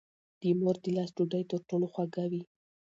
د مور د لاس ډوډۍ تر ټولو خوږه وي.